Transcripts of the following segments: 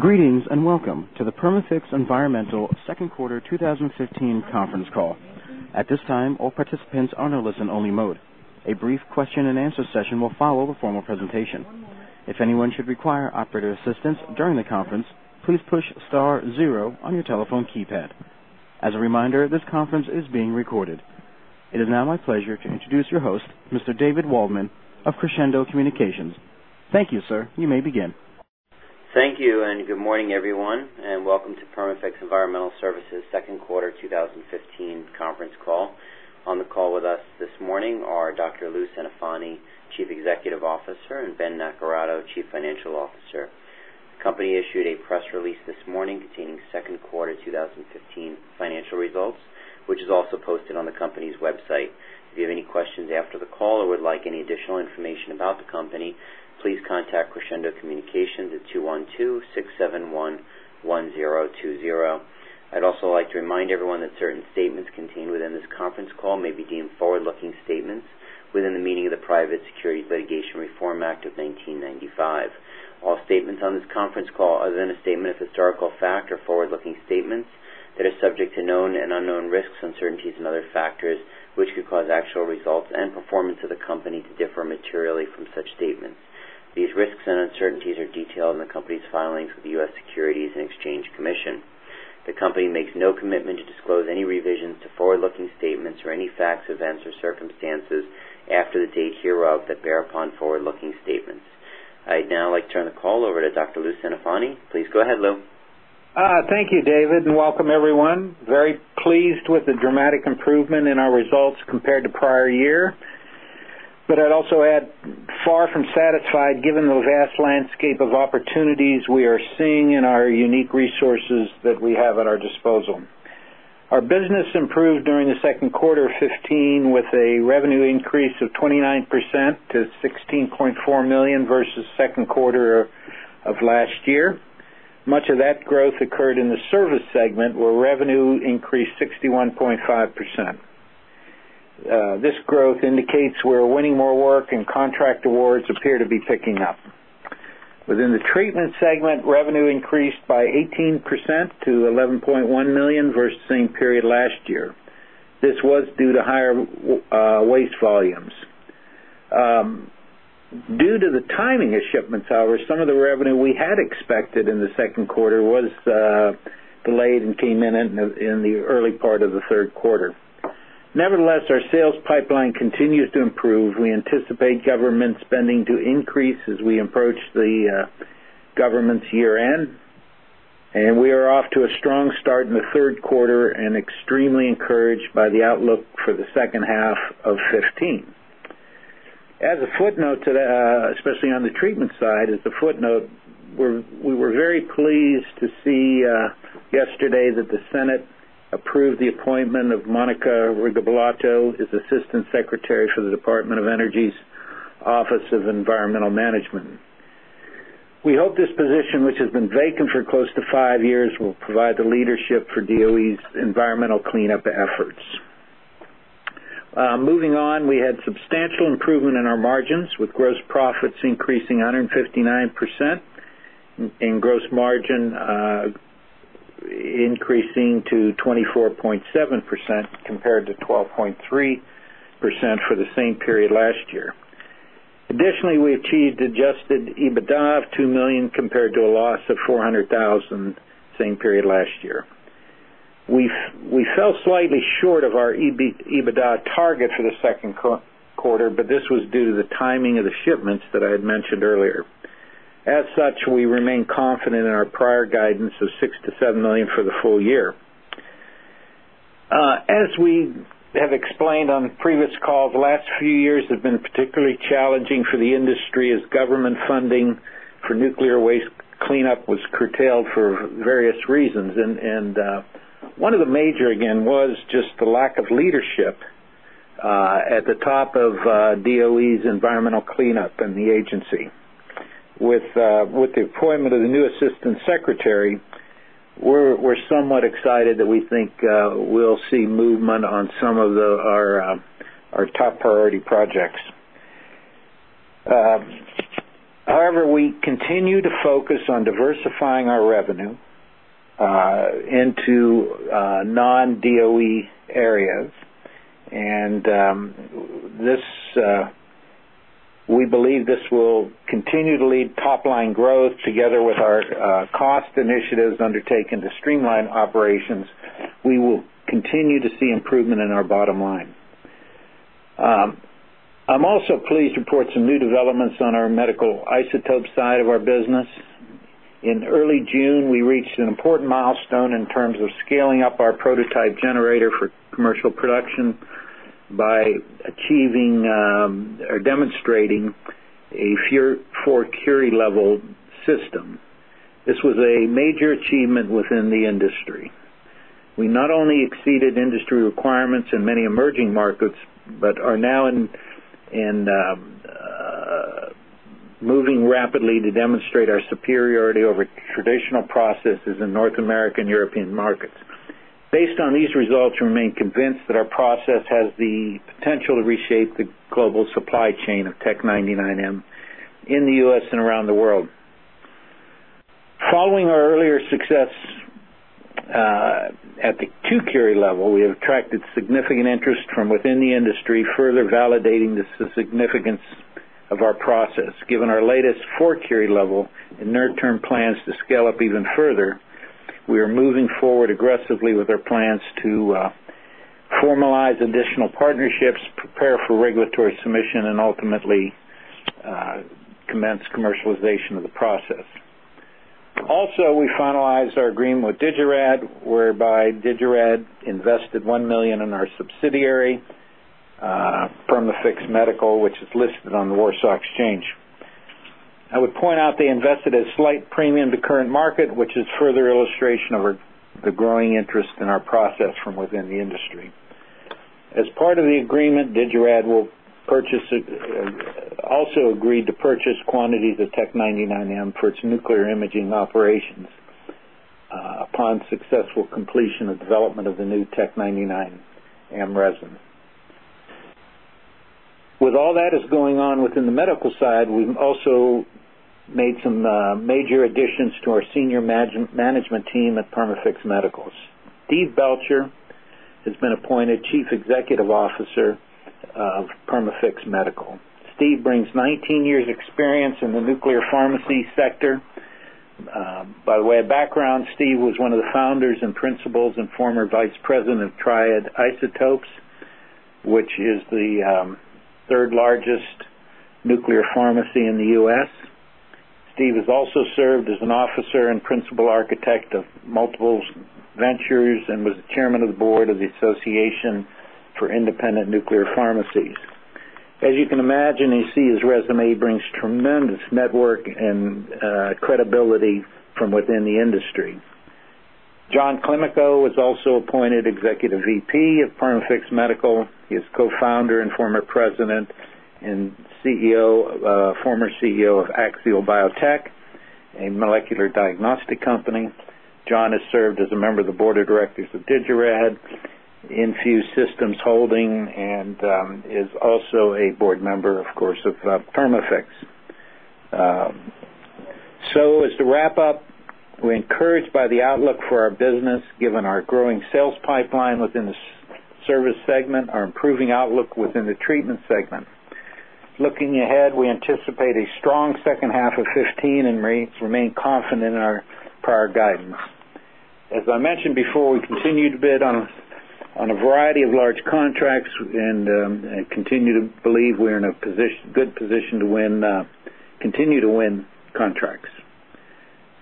Greetings, and welcome to the Perma-Fix Environmental second quarter 2015 conference call. At this time, all participants are in a listen-only mode. A brief question and answer session will follow the formal presentation. If anyone should require operator assistance during the conference, please push star zero on your telephone keypad. As a reminder, this conference is being recorded. It is now my pleasure to introduce your host, Mr. David Waldman of Crescendo Communications. Thank you, sir. You may begin. Thank you, and good morning, everyone, and welcome to Perma-Fix Environmental Services second quarter 2015 conference call. On the call with us this morning are Dr. Lou Centofanti, Chief Executive Officer, and Ben Naccarato, Chief Financial Officer. The company issued a press release this morning containing second quarter 2015 financial results, which is also posted on the company's website. If you have any questions after the call or would like any additional information about the company, please contact Crescendo Communications at 212-671-1020. I'd also like to remind everyone that certain statements contained within this conference call may be deemed forward-looking statements within the meaning of the Private Securities Litigation Reform Act of 1995. All statements on this conference call, other than a statement of historical fact, are forward-looking statements that are subject to known and unknown risks, uncertainties, and other factors which could cause actual results and performance of the company to differ materially from such statements. These risks and uncertainties are detailed in the company's filings with the U.S. Securities and Exchange Commission. The company makes no commitment to disclose any revisions to forward-looking statements or any facts, events, or circumstances after the date hereof that bear upon forward-looking statements. I'd now like to turn the call over to Dr. Lou Centofanti. Please go ahead, Lou. Thank you, David, and welcome everyone. Very pleased with the dramatic improvement in our results compared to prior year. I'd also add, far from satisfied given the vast landscape of opportunities we are seeing and our unique resources that we have at our disposal. Our business improved during the second quarter of 2015 with a revenue increase of 29% to $16.4 million versus second quarter of last year. Much of that growth occurred in the service segment, where revenue increased 61.5%. This growth indicates we're winning more work, and contract awards appear to be picking up. Within the treatment segment, revenue increased by 18% to $11.1 million versus same period last year. This was due to higher waste volumes. Due to the timing of shipments, however, some of the revenue we had expected in the second quarter was delayed and came in in the early part of the third quarter. Our sales pipeline continues to improve. We anticipate government spending to increase as we approach the government's year-end. We are off to a strong start in the third quarter and extremely encouraged by the outlook for the second half of 2015. As a footnote to that, especially on the treatment side, we were very pleased to see yesterday that the Senate approved the appointment of Monica Regalbuto as Assistant Secretary for the Department of Energy's Office of Environmental Management. We hope this position, which has been vacant for close to five years, will provide the leadership for DOE's environmental cleanup efforts. Moving on, we had substantial improvement in our margins, with gross profits increasing 159% and gross margin increasing to 24.7% compared to 12.3% for the same period last year. We achieved adjusted EBITDA of $2 million compared to a loss of $400,000 same period last year. We fell slightly short of our EBITDA target for the second quarter. This was due to the timing of the shipments that I had mentioned earlier. We remain confident in our prior guidance of $6 million-$7 million for the full year. As we have explained on previous calls, the last few years have been particularly challenging for the industry as government funding for nuclear waste cleanup was curtailed for various reasons. One of the major, again, was just the lack of leadership at the top of DOE's environmental cleanup and the agency. With the appointment of the new Assistant Secretary, we're somewhat excited that we think we'll see movement on some of our top priority projects. We continue to focus on diversifying our revenue into non-DOE areas. We believe this will continue to lead top-line growth together with our cost initiatives undertaken to streamline operations. We will continue to see improvement in our bottom line. I'm also pleased to report some new developments on our medical isotope side of our business. In early June, we reached an important milestone in terms of scaling up our prototype generator for commercial production by achieving or demonstrating a 4-curie level system. This was a major achievement within the industry. We not only exceeded industry requirements in many emerging markets but are now moving rapidly to demonstrate our superiority over traditional processes in North American European markets. Based on these results, we remain convinced that our process has the potential to reshape the global supply chain of Tc-99m in the U.S. and around the world. Following our earlier success at the 2-curie level, we have attracted significant interest from within the industry, further validating the significance of our process. Given our latest 4-curie level and near-term plans to scale up even further, we are moving forward aggressively with our plans to formalize additional partnerships, prepare for regulatory submission, and ultimately commence commercialization of the process. We finalized our agreement with Digirad, whereby Digirad invested $1 million in our subsidiary, Perma-Fix Medical, which is listed on the Warsaw Exchange. I would point out they invested a slight premium to current market, which is further illustration of the growing interest in our process from within the industry. As part of the agreement, Digirad also agreed to purchase quantities of Tc-99m for its nuclear imaging operations upon successful completion of development of the new Tc-99m resin. With all that is going on within the medical side, we've also made some major additions to our senior management team at Perma-Fix Medical. Steve Belcher has been appointed Chief Executive Officer of Perma-Fix Medical. Steve brings 19 years experience in the nuclear pharmacy sector. By way of background, Steve was one of the founders and principals and former Vice President of Triad Isotopes, which is the third largest nuclear pharmacy in the U.S. Steve has also served as an officer and principal architect of multiple ventures and was Chairman of the Board of the National Association of Nuclear Pharmacies. As you can imagine, his resume brings tremendous network and credibility from within the industry. John Climaco was also appointed Executive VP of Perma-Fix Medical. He is Co-founder and former President and former CEO of Axial Biotech, a molecular diagnostic company. John has served as a member of the Board of Directors of Digirad, InfuSystem Holdings, and is also a board member, of course, of Perma-Fix. As to wrap up, we're encouraged by the outlook for our business, given our growing sales pipeline within the service segment, our improving outlook within the treatment segment. Looking ahead, we anticipate a strong second half of 2015 and remain confident in our prior guidance. As I mentioned before, we continue to bid on a variety of large contracts and continue to believe we're in a good position to continue to win contracts.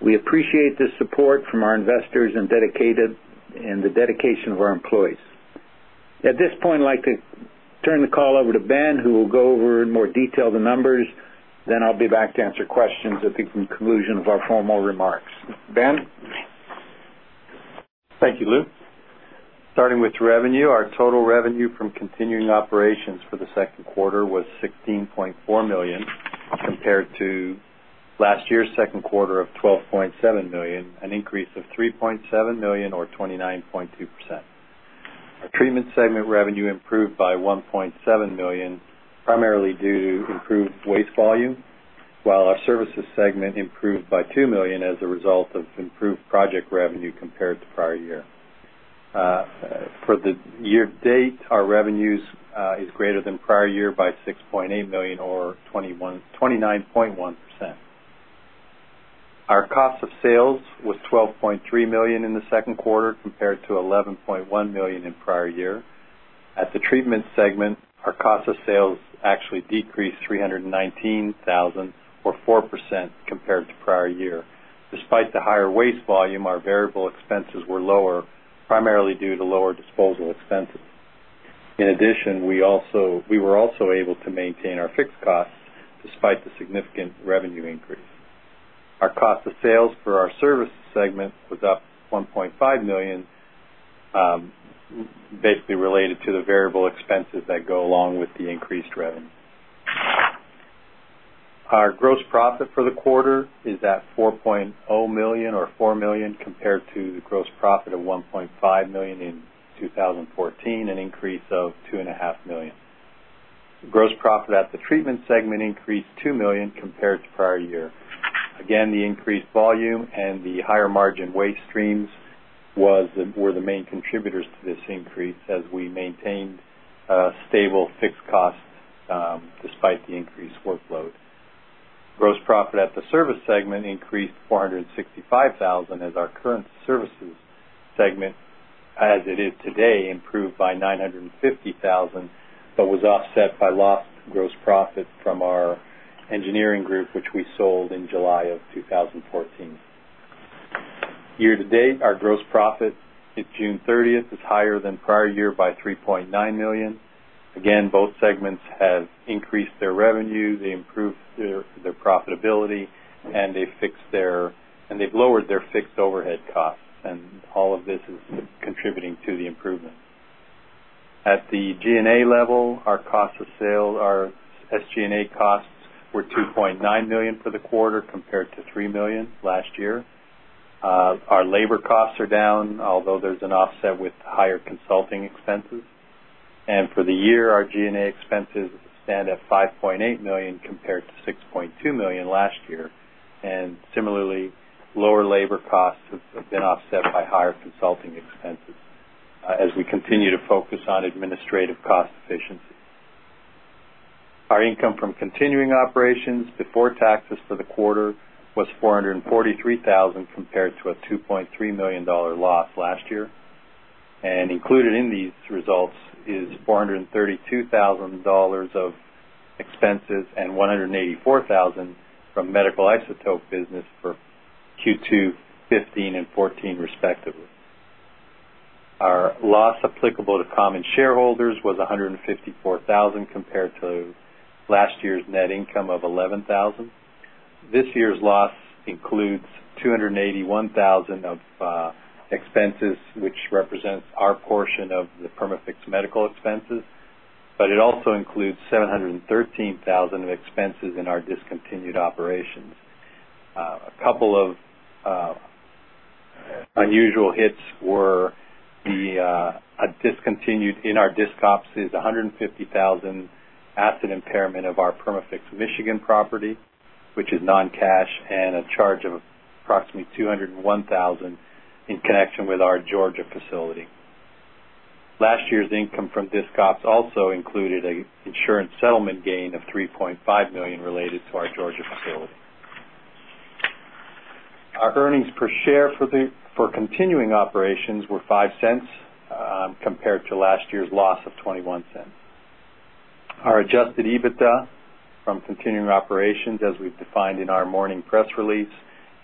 We appreciate the support from our investors and the dedication of our employees. At this point, I'd like to turn the call over to Ben, who will go over in more detail the numbers. Then I'll be back to answer questions at the conclusion of our formal remarks. Ben? Thank you, Lou. Starting with revenue, our total revenue from continuing operations for the second quarter was $16.4 million compared to last year's second quarter of $12.7 million, an increase of $3.7 million or 29.2%. Our treatment segment revenue improved by $1.7 million, primarily due to improved waste volume, while our services segment improved by $2 million as a result of improved project revenue compared to prior year. For the year to date, our revenues is greater than prior year by $6.8 million or 29.1%. Our cost of sales was $12.3 million in the second quarter compared to $11.1 million in prior year. At the treatment segment, our cost of sales actually decreased $319,000 or 4% compared to prior year. Despite the higher waste volume, our variable expenses were lower, primarily due to lower disposal expenses. In addition, we were also able to maintain our fixed costs despite the significant revenue increase. Our cost of sales for our service segment was up $1.5 million, basically related to the variable expenses that go along with the increased revenue. Our gross profit for the quarter is at $4.0 million or $4 million compared to the gross profit of $1.5 million in 2014, an increase of two and a half million. The gross profit at the treatment segment increased $2 million compared to prior year. The increased volume and the higher margin waste streams were the main contributors to this increase as we maintained stable fixed costs despite the increased workload. Gross profit at the service segment increased $465,000 as our current services segment, as it is today, improved by $950,000, was offset by lost gross profit from our engineering group, which we sold in July of 2014. Year to date, our gross profit at June 30th is higher than prior year by $3.9 million. Both segments have increased their revenue. They improved their profitability, they've lowered their fixed overhead costs, and all of this is contributing to the improvement. At the G&A level, our cost of sale, our SG&A costs were $2.9 million for the quarter compared to $3 million last year. Our labor costs are down, although there's an offset with higher consulting expenses. For the year, our G&A expenses stand at $5.8 million compared to $6.2 million last year. Similarly, lower labor costs have been offset by higher consulting expenses as we continue to focus on administrative cost efficiency. Our income from continuing operations before taxes for the quarter was $443,000, compared to a $2.3 million loss last year. Included in these results is $432,000 of expenses and $184,000 from medical isotope business for Q2 2015 and 2014, respectively. Our loss applicable to common shareholders was $154,000 compared to last year's net income of $11,000. This year's loss includes $281,000 of expenses, which represents our portion of the Perma-Fix Medical expenses, but it also includes $713,000 of expenses in our discontinued operations. A couple of unusual hits were in our discontinued operations is $150,000 asset impairment of our Perma-Fix Michigan property, which is non-cash, and a charge of approximately $201,000 in connection with our Georgia facility. Last year's income from discontinued operations also included an insurance settlement gain of $3.5 million related to our Georgia facility. Our earnings per share for continuing operations were $0.05, compared to last year's loss of $0.21. Our adjusted EBITDA from continuing operations, as we've defined in our morning press release,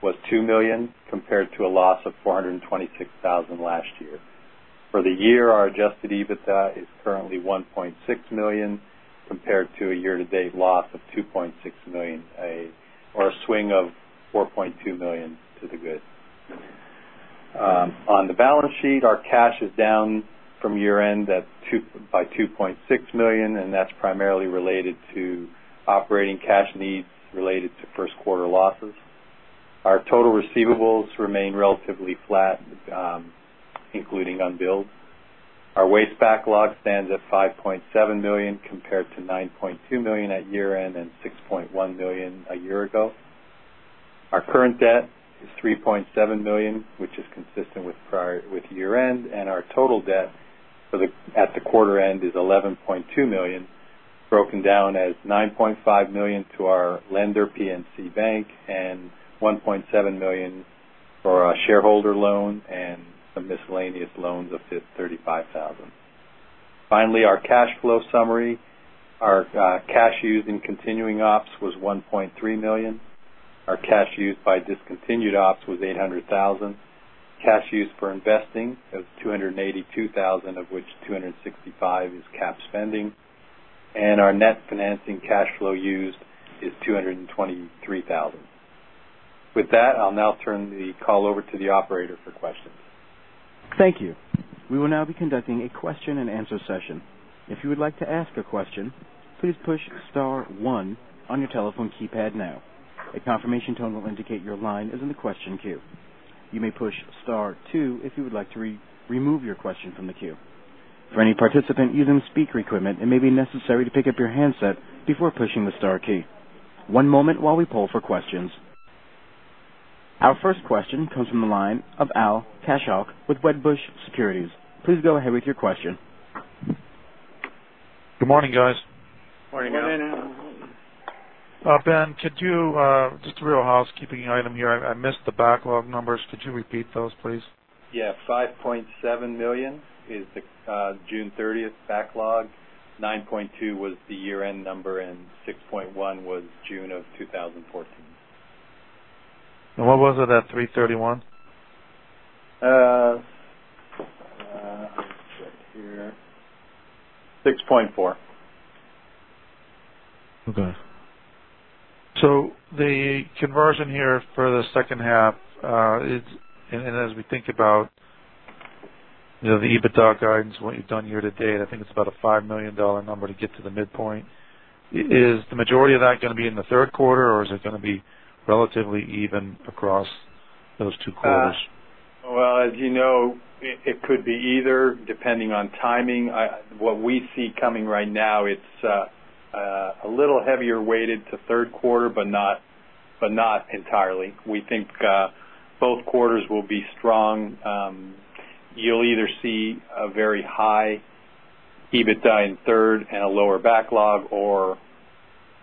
was $2 million, compared to a loss of $426,000 last year. For the year, our adjusted EBITDA is currently $1.6 million, compared to a year-to-date loss of $2.6 million, or a swing of $4.2 million to the good. On the balance sheet, our cash is down from year-end by $2.6 million, that's primarily related to operating cash needs related to first quarter losses. Our total receivables remain relatively flat, including unbilled. Our waste backlog stands at $5.7 million, compared to $9.2 million at year-end and $6.1 million a year ago. Our current debt is $3.7 million, which is consistent with year-end. Our total debt at the quarter end is $11.2 million, broken down as $9.5 million to our lender, PNC Bank, and $1.7 million for a shareholder loan and some miscellaneous loans of $35,000. Finally, our cash flow summary. Our cash used in continuing ops was $1.3 million. Our cash used by discontinued ops was $800,000. Cash used for investing was $282,000, of which $265,000 is cap spending. Our net financing cash flow used is $223,000. With that, I'll now turn the call over to the operator for questions. Thank you. We will now be conducting a question and answer session. If you would like to ask a question, please push star one on your telephone keypad now. A confirmation tone will indicate your line is in the question queue. You may push star two if you would like to remove your question from the queue. For any participant using speaker equipment, it may be necessary to pick up your handset before pushing the star key. One moment while we poll for questions. Our first question comes from the line of Al Kaschalk with Wedbush Securities. Please go ahead with your question. Good morning, guys. Morning, Al. Ben, just a real housekeeping item here. I missed the backlog numbers. Could you repeat those, please? Yeah. $5.7 million is the June 30th backlog, $9.2 was the year-end number, $6.1 was June of 2014. What was it at three thirty-one? Let's see here. $6.4. Okay. The conversion here for the second half, and as we think about the EBITDA guidance and what you've done here to date, I think it's about a $5 million number to get to the midpoint. Is the majority of that going to be in the third quarter, or is it going to be relatively even across those two quarters? Well, as you know, it could be either, depending on timing. What we see coming right now, it's a little heavier weighted to third quarter, but not entirely. We think both quarters will be strong. You'll either see a very high EBITDA in third and a lower backlog, or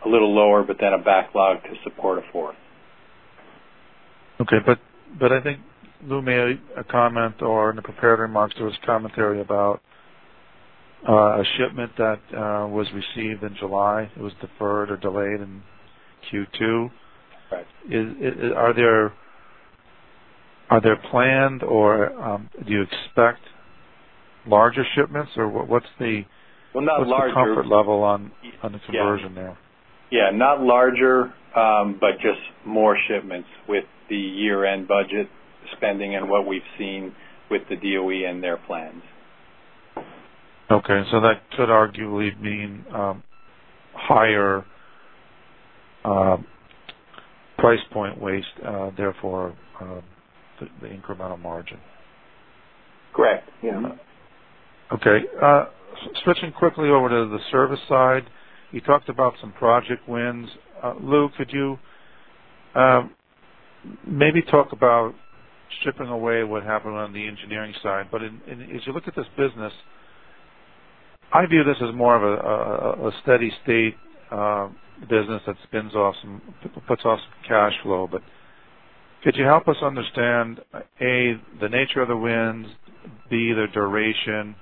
a little lower, but then a backlog to support a fourth. Okay. I think Lou made a comment, or in the prepared remarks, there was commentary about a shipment that was received in July. It was deferred or delayed in Q2. Right. Are they planned or do you expect larger shipments? Well, not larger- What's the comfort level on this conversion there? Yeah, not larger, but just more shipments with the year-end budget spending and what we've seen with the DOE and their plans. Okay. That could arguably mean higher price point waste, therefore, the incremental margin. Correct. Yeah. Okay. Switching quickly over to the service side, you talked about some project wins. Lou, could you maybe talk about stripping away what happened on the engineering side? As you look at this business, I view this as more of a steady state business that puts off some cash flow. Could you help us understand, A, the nature of the wins, B, their duration,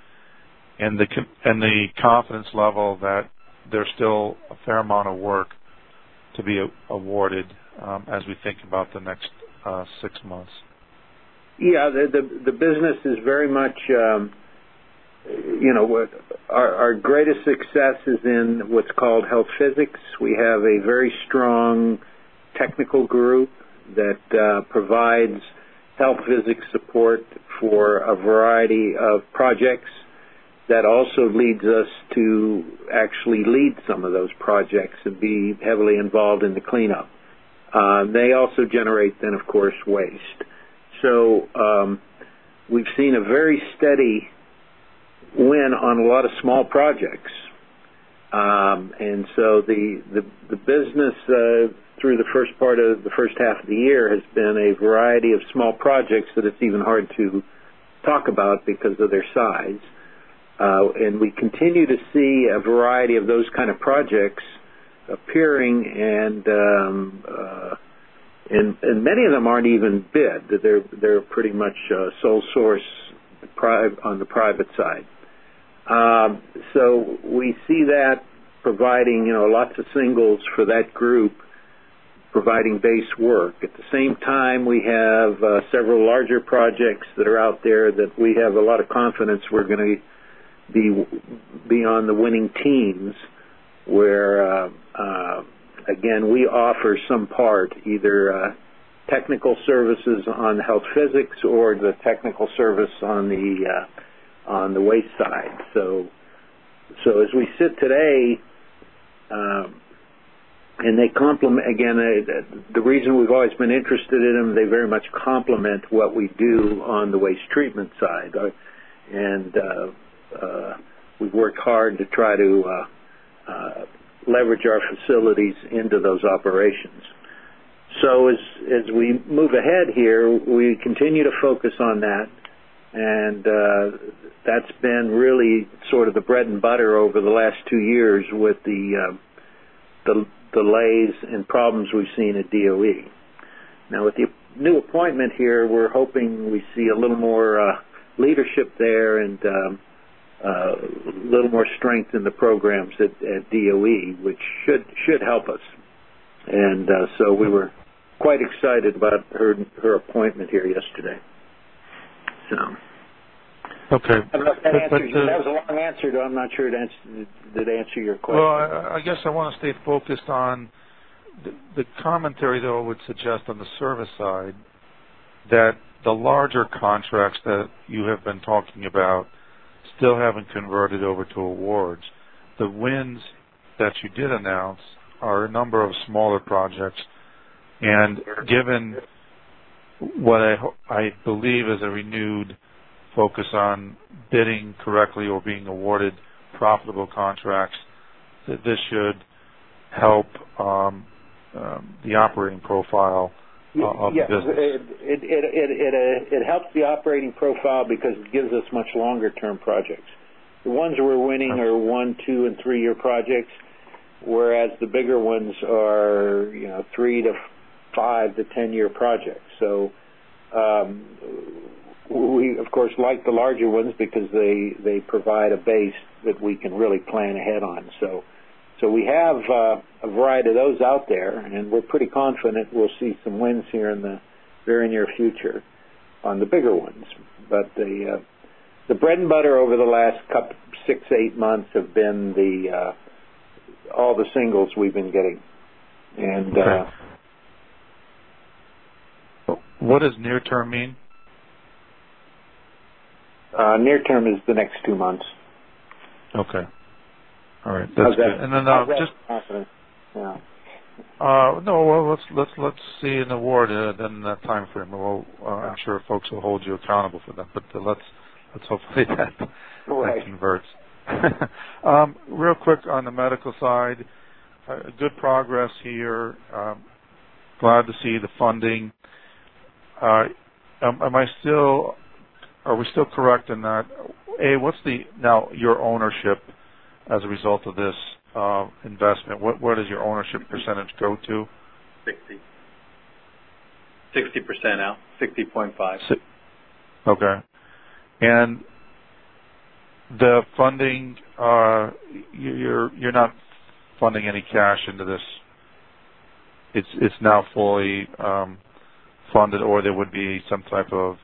and the confidence level that there's still a fair amount of work to be awarded as we think about the next six months? Yeah. Our greatest success is in what's called health physics. We have a very strong technical group that provides health physics support for a variety of projects. That also leads us to actually lead some of those projects and be heavily involved in the cleanup. They also generate then, of course, waste. We've seen a very steady win on a lot of small projects. The business through the first half of the year has been a variety of small projects that it's even hard to talk about because of their size. We continue to see a variety of those kind of projects appearing, and many of them aren't even bid. They're pretty much sole source on the private side. We see that providing lots of singles for that group, providing base work. At the same time, we have several larger projects that are out there that we have a lot of confidence we're going to be on the winning teams, where, again, we offer some part, either technical services on health physics or the technical service on the waste side. As we sit today, again, the reason we've always been interested in them, they very much complement what we do on the waste treatment side. We've worked hard to try to leverage our facilities into those operations. As we move ahead here, we continue to focus on that, and that's been really sort of the bread and butter over the last two years with the delays and problems we've seen at DOE. With the new appointment here, we're hoping we see a little more leadership there and a little more strength in the programs at DOE, which should help us. We were quite excited about her appointment here yesterday. Okay. I don't know if that answered. That was a long answer, though. I'm not sure it answered. Did it answer your question? Well, I guess I want to stay focused on the commentary, though, I would suggest on the service side, that the larger contracts that you have been talking about still haven't converted over to awards. The wins that you did announce are a number of smaller projects, given what I believe is a renewed focus on bidding correctly or being awarded profitable contracts, that this should help the operating profile of the business. It helps the operating profile because it gives us much longer-term projects. The ones we're winning are one, two, and three-year projects, whereas the bigger ones are three to five to 10-year projects. We, of course, like the larger ones because they provide a base that we can really plan ahead on. We have a variety of those out there, and we're pretty confident we'll see some wins here in the very near future on the bigger ones. The bread and butter over the last six, eight months have been all the singles we've been getting. Okay. What does near-term mean? Near-term is the next two months. Okay. All right. That's good. How's that? I'll just. Yeah. No. Well, let's see an award within that time frame. Well, I'm sure folks will hold you accountable for that, but let's hopefully that converts. Right. Real quick on the Medical side. Good progress here. Glad to see the funding. Are we still correct in that, A, what's now your ownership as a result of this investment? What does your ownership percentage go to? 60. 60% now. 60.5. Okay. The funding, you're not funding any cash into this. It's now fully funded, or there would be some type of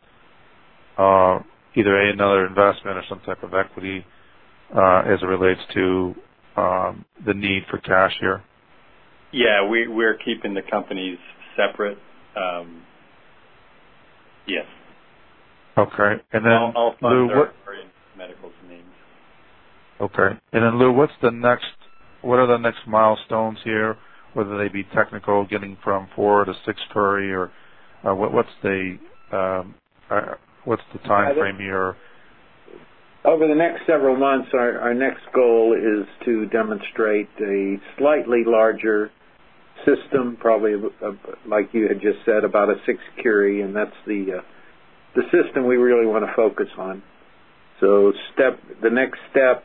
either another investment or some type of equity as it relates to the need for cash here? Yeah, we're keeping the companies separate. Yes. Okay. Lou. All funds are for medical means. Okay. Then, Lou, what are the next milestones here, whether they be technical, getting from 4-6 curie? Or what's the timeframe here? Over the next several months, our next goal is to demonstrate a slightly larger system, probably, like you had just said, about a 6 curie, and that's the system we really want to focus on. The next step,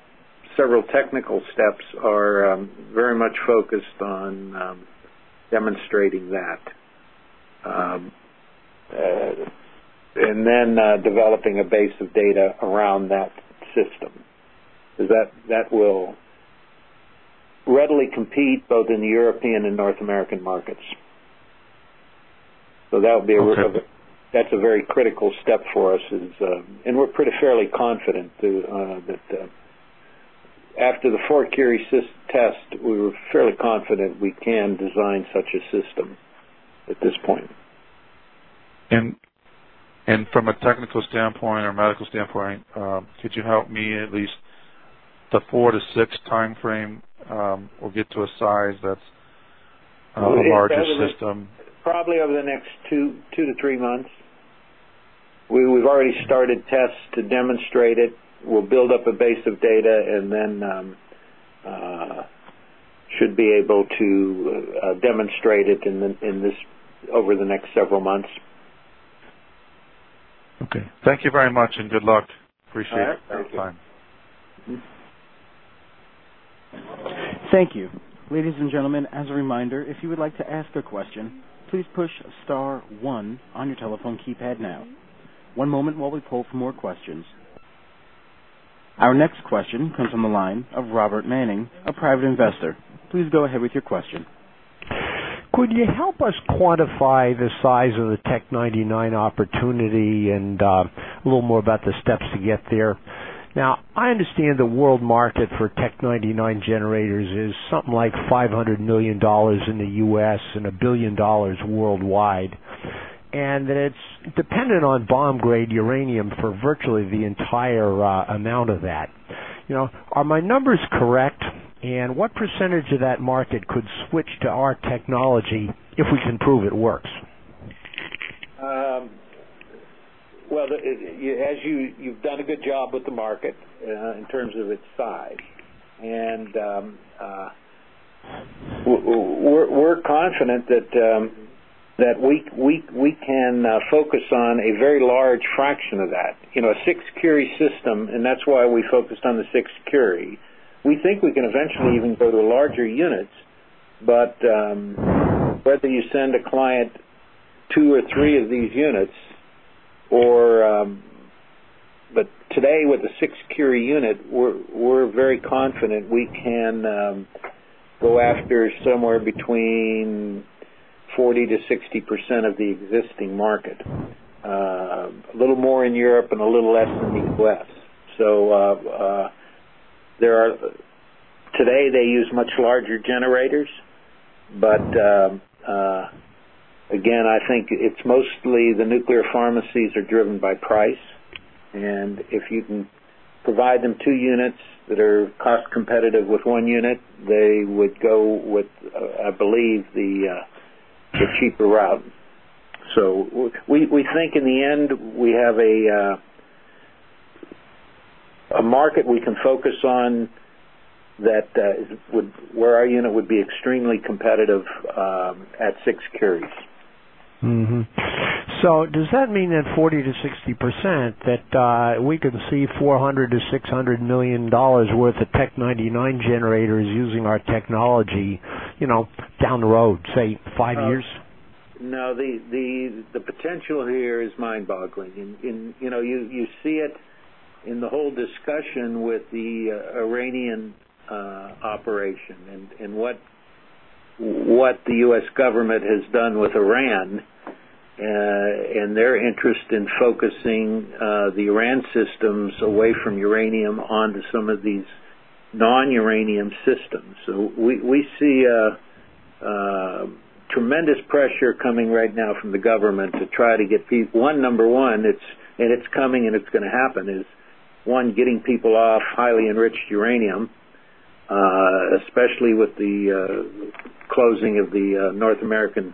several technical steps are very much focused on demonstrating that, and then developing a base of data around that system that will readily compete both in the European and North American markets. Okay. That's a very critical step for us, and we're pretty fairly confident that after the 4 curie test, we were fairly confident we can design such a system at this point. From a technical standpoint or medical standpoint, could you help me at least the 4-6 timeframe or get to a size that's a larger system? Probably over the next two to three months. We've already started tests to demonstrate it. We'll build up a base of data and then should be able to demonstrate it over the next several months. Okay. Thank you very much and good luck. Appreciate it. All right. Thank you. Bye. Thank you. Ladies and gentlemen, as a reminder, if you would like to ask a question, please push star one on your telephone keypad now. One moment while we pull for more questions. Our next question comes from the line of Robert Manning, a private investor. Please go ahead with your question. Could you help us quantify the size of the Tc-99 opportunity and a little more about the steps to get there? I understand the world market for Tc-99 generators is something like $500 million in the U.S. and $1 billion worldwide, and that it's dependent on bomb-grade uranium for virtually the entire amount of that. Are my numbers correct, and what % of that market could switch to our technology if we can prove it works? Well, you've done a good job with the market in terms of its size. We're confident that we can focus on a very large fraction of that. A 6 curie system, and that's why we focused on the 6 curie. We think we can eventually even go to larger units. Whether you send a client two or three of these units or today, with the 6 curie unit, we're very confident we can go after somewhere between 40%-60% of the existing market. A little more in Europe and a little less in the U.S. Today they use much larger generators. Again, I think it's mostly the nuclear pharmacies are driven by price, and if you can provide them two units that are cost competitive with one unit, they would go with, I believe, the cheaper route. We think in the end, we have a market we can focus on where our unit would be extremely competitive at 6 curies. Does that mean that 40%-60%, that we could see $400 million-$600 million worth of Tc-99 generators using our technology down the road, say, five years? No. The potential here is mind-boggling. You see it in the whole discussion with the Iranian operation and what the U.S. government has done with Iran and their interest in focusing the Iran systems away from uranium onto some of these non-uranium systems. We see a tremendous pressure coming right now from the government to try to get people-- one, number one, and it's coming and it's going to happen, is one, getting people off highly enriched uranium, especially with the closing of the North American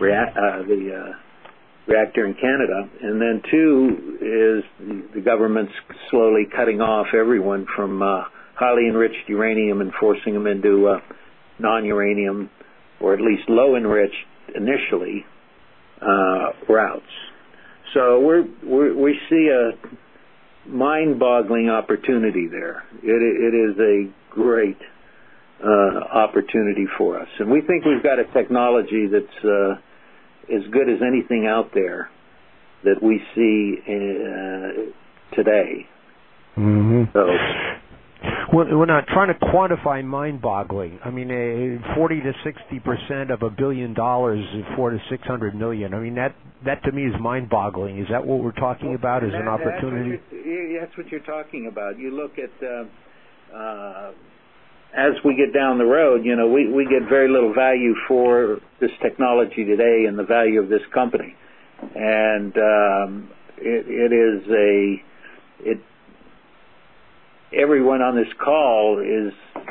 reactor in Canada. Then two is the government's slowly cutting off everyone from highly enriched uranium and forcing them into non-uranium, or at least low enriched initially, routes. We see a mind-boggling opportunity there. It is a great opportunity for us. We think we've got a technology that's as good as anything out there that we see today. Mm-hmm. We're not trying to quantify mind-boggling. A 40%-60% of $1 billion is $400 million-$600 million. That to me is mind-boggling. Is that what we're talking about as an opportunity? That's what you're talking about. As we get down the road, we get very little value for this technology today and the value of this company. Everyone on this call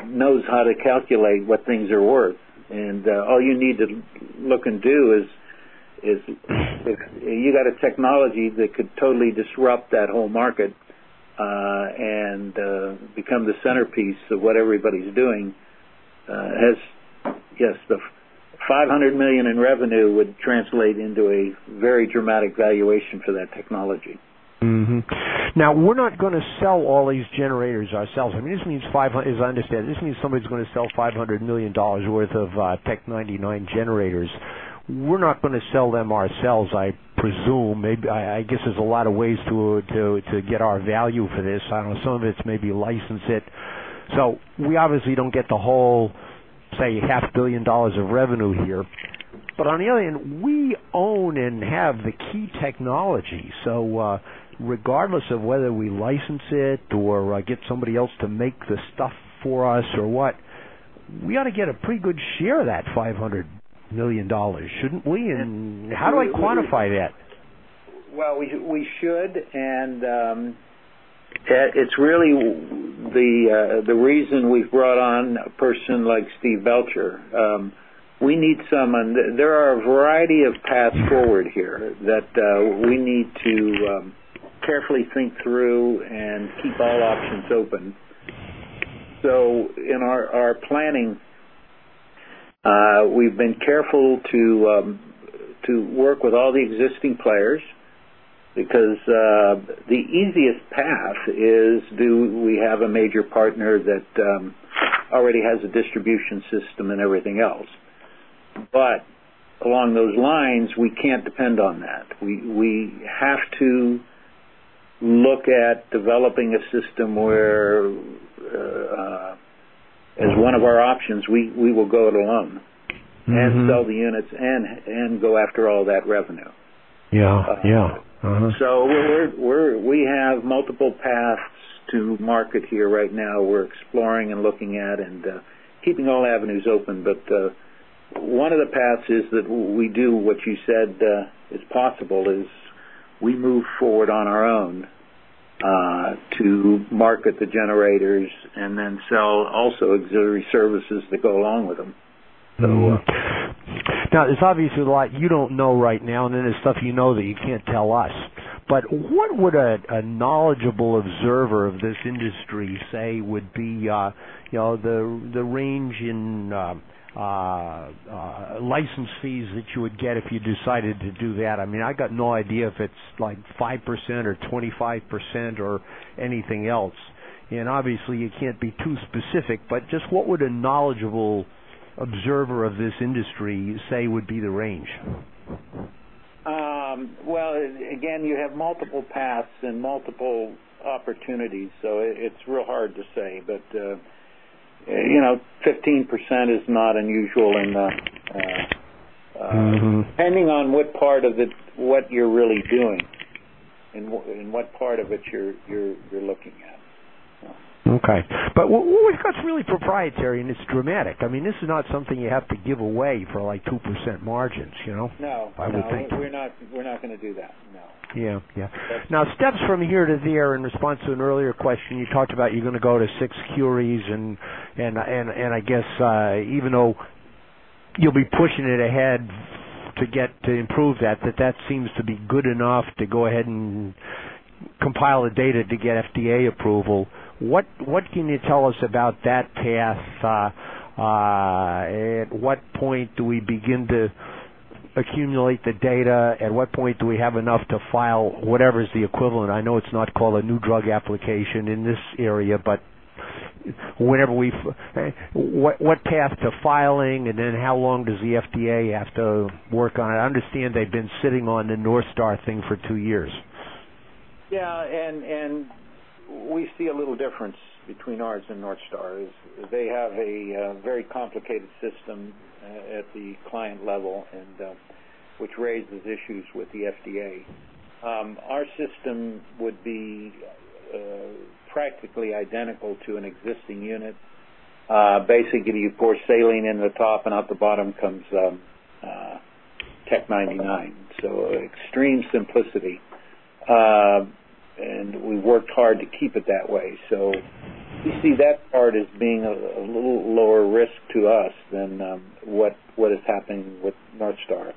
knows how to calculate what things are worth, and all you need to look and do is, you got a technology that could totally disrupt that whole market and become the centerpiece of what everybody's doing. Yes, the $500 million in revenue would translate into a very dramatic valuation for that technology. Mm-hmm. We're not going to sell all these generators ourselves. As I understand, this means somebody's going to sell $500 million worth of Tc-99 generators. We're not going to sell them ourselves, I presume. I guess there's a lot of ways to get our value for this. I know some of it's maybe license it. We obviously don't get the whole, say, half a billion dollars of revenue here. On the other hand, we own and have the key technology. Regardless of whether we license it or get somebody else to make the stuff for us or what, we ought to get a pretty good share of that $500 million, shouldn't we? How do I quantify that? Well, we should, and it's really the reason we've brought on a person like Steve Belcher. There are a variety of paths forward here that we need to carefully think through and keep all options open. In our planning, we've been careful to work with all the existing players because the easiest path is do we have a major partner that already has a distribution system and everything else. Along those lines, we can't depend on that. We have to look at developing a system where, as one of our options, we will go it alone and sell the units and go after all that revenue. Yeah. Mm-hmm. We have multiple paths to market here right now. We're exploring and looking at and keeping all avenues open. One of the paths is that we do what you said is possible, is we move forward on our own to market the generators, and then sell also auxiliary services that go along with them. Now, there's obviously a lot you don't know right now, and then there's stuff you know that you can't tell us, but what would a knowledgeable observer of this industry say would be the range in license fees that you would get if you decided to do that? I got no idea if it's 5% or 25% or anything else. Obviously you can't be too specific, but just what would a knowledgeable observer of this industry say would be the range? Well, again, you have multiple paths and multiple opportunities, it's real hard to say. 15% is not unusual depending on what you're really doing and what part of it you're looking at. Okay. That's really proprietary, it's dramatic. This is not something you have to give away for 2% margins. No. I would think. We're not going to do that, no. Yeah. Now, steps from here to there, in response to an earlier question, you talked about you're going to go to six curies, and I guess even though you'll be pushing it ahead to improve that seems to be good enough to go ahead and compile the data to get FDA approval. What can you tell us about that path? At what point do we begin to accumulate the data? At what point do we have enough to file whatever is the equivalent? I know it's not called a new drug application in this area. What path to filing, and then how long does the FDA have to work on it? I understand they've been sitting on the NorthStar thing for two years. Yeah, we see a little difference between ours and NorthStar. They have a very complicated system at the client level, which raises issues with the FDA. Our system would be practically identical to an existing unit. Basically, you pour saline in the top and out the bottom comes Tc-99. Extreme simplicity, and we worked hard to keep it that way. We see that part as being a little lower risk to us than what is happening with NorthStar.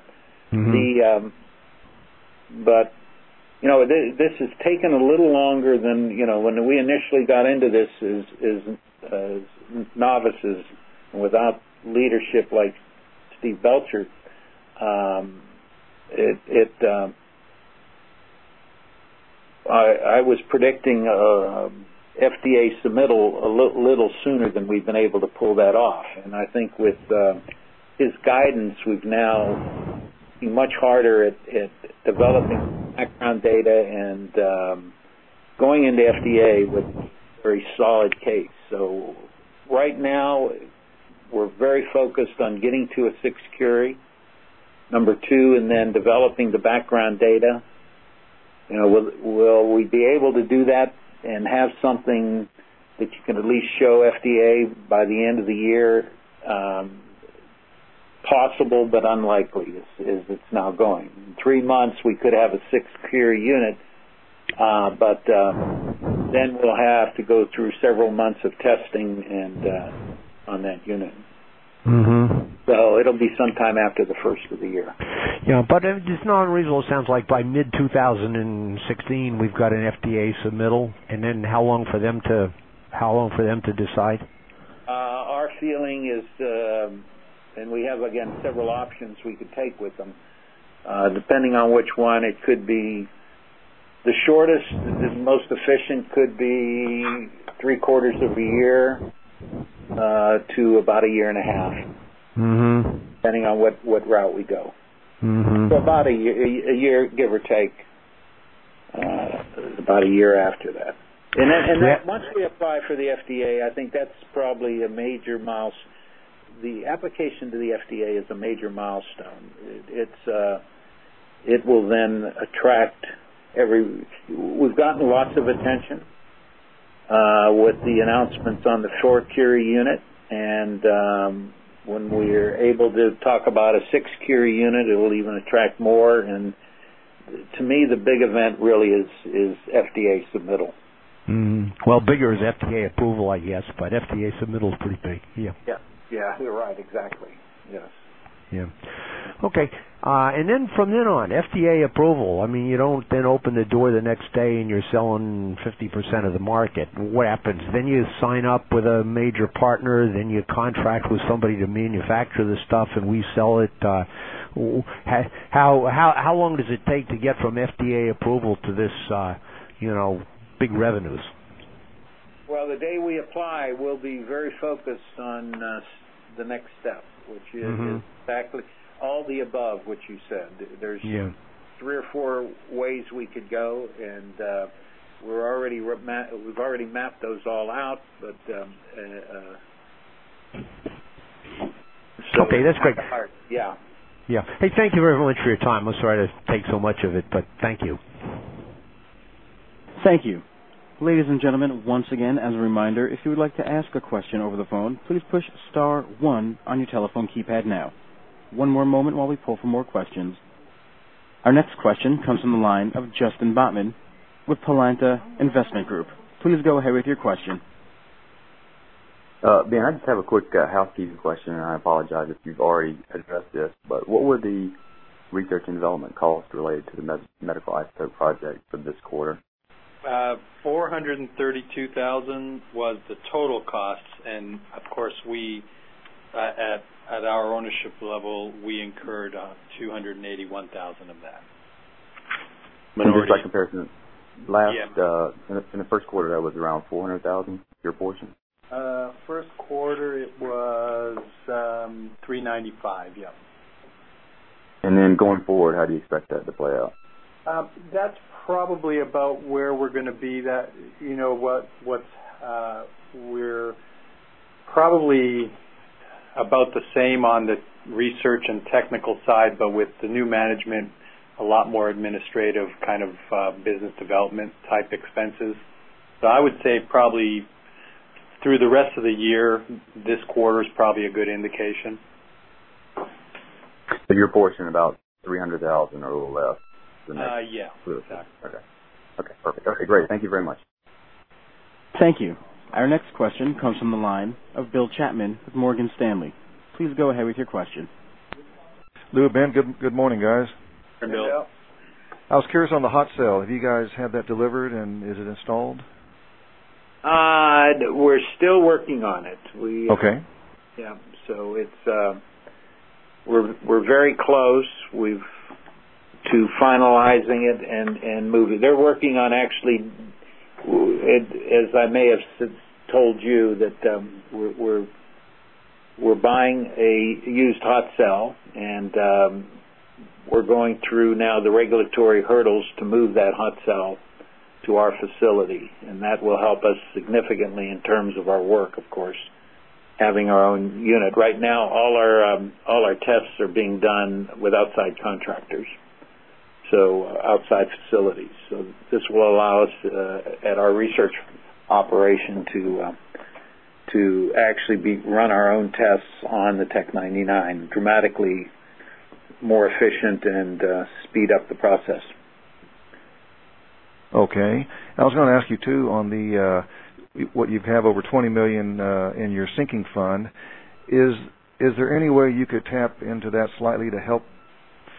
This has taken a little longer than when we initially got into this as novices and without leadership like Steve Belcher. I was predicting FDA submittal a little sooner than we've been able to pull that off. I think with his guidance, we've now been much harder at developing background data and going into FDA with a very solid case. Right now, we're very focused on getting to a six curie. Number two, and then developing the background data. Will we be able to do that and have something that you can at least show FDA by the end of the year? Possible, but unlikely, as it's now going. In three months, we could have a six curie unit, we'll have to go through several months of testing on that unit. It'll be sometime after the first of the year. Yeah. It's not unreasonable. It sounds like by mid-2016, we've got an FDA submittal, and then how long for them to decide? Our feeling is, we have, again, several options we could take with them. Depending on which one, the shortest and most efficient could be three quarters of a year to about a year and a half. Depending on what route we go. About a year, give or take, about a year after that. And that's- Once we apply for the FDA, I think the application to the FDA is a major milestone. We've gotten lots of attention with the announcements on the four curie unit, and when we're able to talk about a six curie unit, it'll even attract more, and to me, the big event really is FDA submittal. Mm-hmm. Well, bigger is FDA approval, I guess, but FDA submittal is pretty big. Yeah. Yeah. You're right. Exactly. Yeah. Yeah. Okay. Then from then on, FDA approval, you don't then open the door the next day, and you're selling 50% of the market. What happens? You sign up with a major partner, then you contract with somebody to manufacture the stuff, and we sell it. How long does it take to get from FDA approval to this big revenues? Well, the day we apply, we'll be very focused on the next step, which is exactly all the above what you said. Yeah. There's three or four ways we could go, we've already mapped those all out. Okay. That's great. Yeah. Yeah. Hey, thank you very much for your time. I'm sorry to take so much of it, but thank you. Thank you. Ladies and gentlemen, once again, as a reminder, if you would like to ask a question over the phone, please push star one on your telephone keypad now. One more moment while we pull for more questions. Our next question comes from the line of Justin Bottman with Polanta Investment Group. Please go ahead with your question. Ben, I just have a quick housekeeping question, and I apologize if you've already addressed this, but what were the research and development costs related to the medical isotope project for this quarter? $432,000 was the total cost, and of course, at our ownership level, we incurred $281,000 of that. Just by comparison. Yeah. In the first quarter, that was around $400,000, your portion? First quarter, it was $395. Yeah. Going forward, how do you expect that to play out? That's probably about where we're going to be. We're probably about the same on the research and technical side, but with the new management, a lot more administrative kind of business development type expenses. I would say probably through the rest of the year, this quarter is probably a good indication. Your portion, about $300,000 or a little less than that? Yeah. Okay. Perfect. Great. Thank you very much. Thank you. Our next question comes from the line of Bill Chapman with Morgan Stanley. Please go ahead with your question. Hello, Ben. Good morning, guys. Hey, Bill. Ben. I was curious on the hot cell. Have you guys had that delivered, and is it installed? We're still working on it. Okay. We're very close to finalizing it and moving. They're working on actually, as I may have told you, that we're buying a used hot cell, and we're going through now the regulatory hurdles to move that hot cell to our facility, and that will help us significantly in terms of our work, of course, having our own unit. Right now, all our tests are being done with outside contractors, so outside facilities. This will allow us, at our research operation, to actually run our own tests on the Tc-99, dramatically more efficient and speed up the process. Okay. I was going to ask you, too, on what you have over $20 million in your sinking fund. Is there any way you could tap into that slightly to help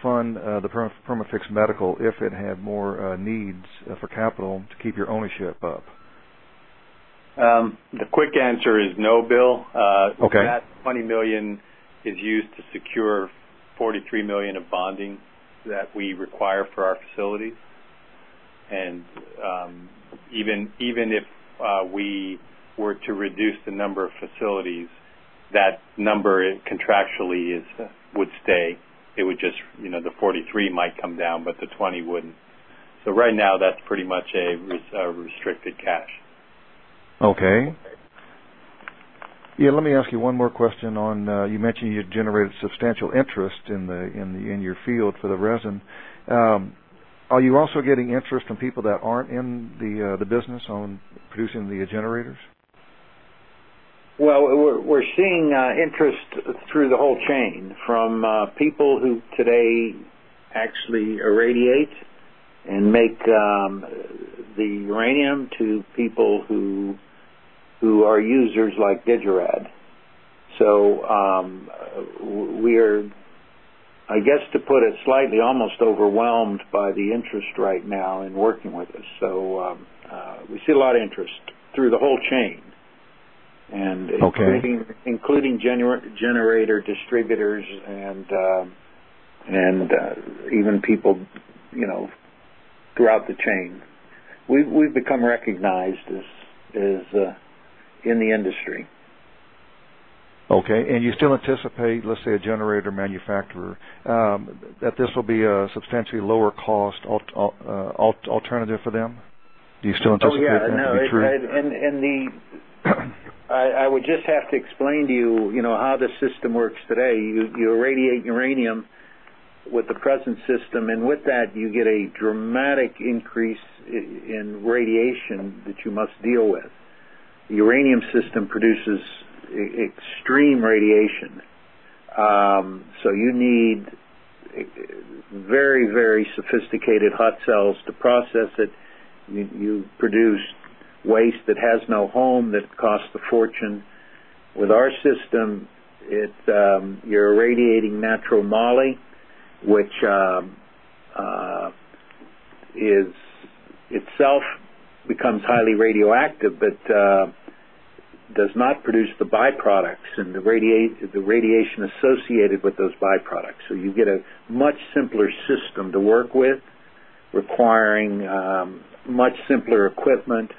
fund the Perma-Fix Medical if it had more needs for capital to keep your ownership up? The quick answer is no, Bill. Okay. That $20 million is used to secure $43 million of bonding that we require for our facilities. Even if we were to reduce the number of facilities, that number contractually would stay. The 43 might come down, but the 20 wouldn't. Right now, that's pretty much a restricted cash. Okay. Yeah, let me ask you one more question. You mentioned you had generated substantial interest in your field for the resin. Are you also getting interest from people that aren't in the business on producing the generators? Well, we're seeing interest through the whole chain from people who today actually irradiate and make the uranium, to people who are users like Digirad. We're, I guess to put it slightly, almost overwhelmed by the interest right now in working with us. We see a lot of interest through the whole chain. Okay. Including generator distributors and even people throughout the chain. We've become recognized in the industry. Okay. You still anticipate, let's say, a generator manufacturer, that this will be a substantially lower cost alternative for them? Do you still anticipate that to be true? Oh, yeah. I would just have to explain to you how the system works today. You irradiate uranium with the present system, with that, you get a dramatic increase in radiation that you must deal with. Uranium system produces extreme radiation. You need very sophisticated hot cells to process it. You produce waste that has no home, that costs a fortune. With our system, you're irradiating natural moly, which itself becomes highly radioactive, but does not produce the byproducts and the radiation associated with those byproducts. You get a much simpler system to work with, requiring much simpler equipment,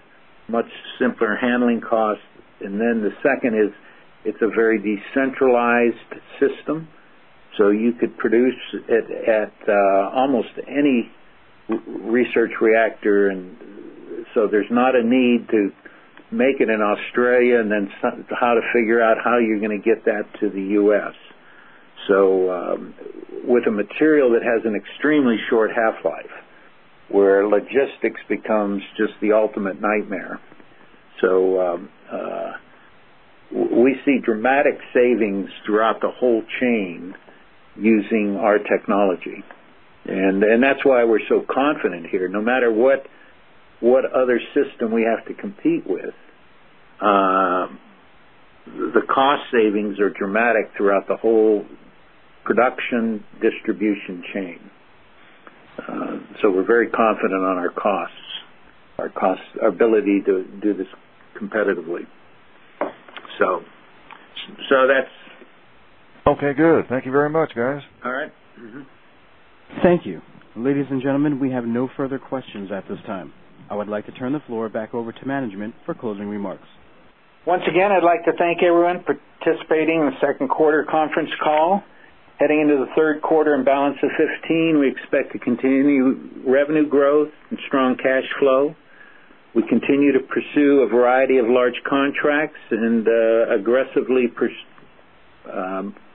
much simpler handling costs. Then the second is, it's a very decentralized system. You could produce at almost any research reactor. There's not a need to make it in Australia and then how to figure out how you're going to get that to the U.S. With a material that has an extremely short half-life, where logistics becomes just the ultimate nightmare. We see dramatic savings throughout the whole chain using our technology. That's why we're so confident here. No matter what other system we have to compete with, the cost savings are dramatic throughout the whole production distribution chain. We're very confident on our costs, our ability to do this competitively. Okay, good. Thank you very much, guys. All right. Mm-hmm. Thank you. Ladies and gentlemen, we have no further questions at this time. I would like to turn the floor back over to management for closing remarks. Once again, I'd like to thank everyone participating in the second quarter conference call. Heading into the third quarter and balance of 2015, we expect to continue revenue growth and strong cash flow. We continue to pursue a variety of large contracts and aggressively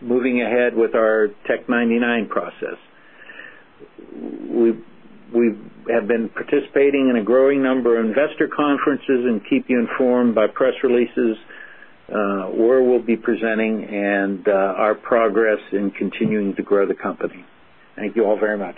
moving ahead with our Tc-99 process. We have been participating in a growing number of investor conferences and keep you informed by press releases, where we'll be presenting and our progress in continuing to grow the company. Thank you all very much.